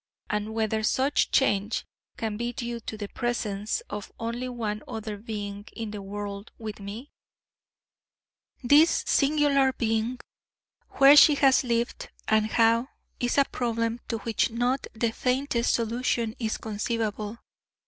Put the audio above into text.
And whether such change can be due to the presence of only one other being in the world with me? This singular being! Where she has lived and how is a problem to which not the faintest solution is conceivable.